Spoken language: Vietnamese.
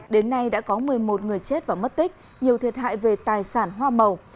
đến nay đã có một mươi một người chết và mất tích nhiều thiệt hại về tài sản hoa màu